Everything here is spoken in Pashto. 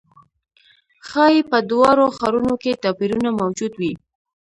ښايي په دواړو ښارونو کې توپیرونه موجود وي.